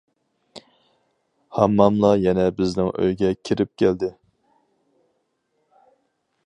ھامماملار يەنە بىزنىڭ ئۆيگە كىرىپ كەلدى.